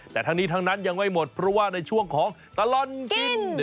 แต่ทั้งนี้ทั้งนั้นยังไม่หมดเพราะว่าในช่วงของตลอดกิน